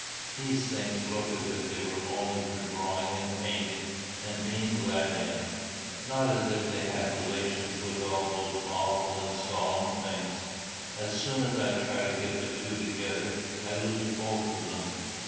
These things look as if they were only for drawing and painting and being glad in, not as if they had relations with all those awful and solemn things. As soon as I try to get the two together, I lose both of them."